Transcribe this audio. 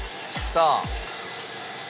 さあ。